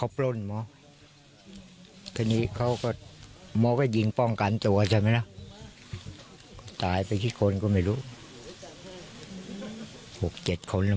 พี่อยู่เนี่ยแกได้มายังไงอีก